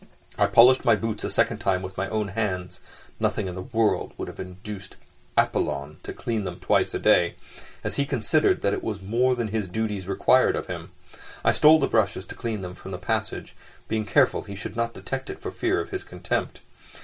I polished my boots a second time with my own hands; nothing in the world would have induced Apollon to clean them twice a day, as he considered that it was more than his duties required of him. I stole the brushes to clean them from the passage, being careful he should not detect it, for fear of his contempt.